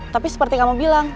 tapi seperti kamu bilang